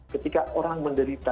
ketika orang menderita